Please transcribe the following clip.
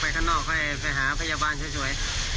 ข้างนอกให้ไปหาพยาบาลเฉย